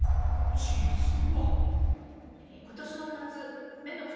実は。